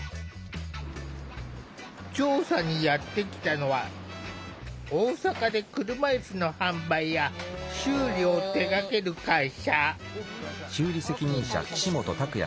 調査にやって来たのは大阪で車いすの販売や修理を手がける会社。